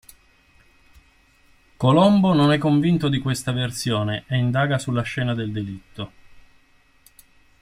Colombo non è convinto di questa versione e indaga sulla scena del delitto.